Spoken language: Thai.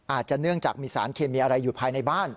อาจจะเนื่องจากมีสารเคมีอะไรอยู่ภายในบ้าน